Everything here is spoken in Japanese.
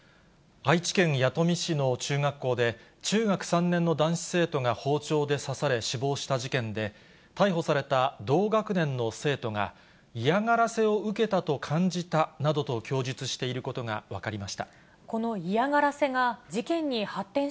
愛知県弥富市の中学校で、中学３年の男子生徒が包丁で刺され死亡した事件で、逮捕された同学年の生徒が、嫌がらせを受けたと感じたなどと供述していることが分かりました。